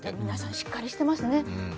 皆さんしっかりしていますね。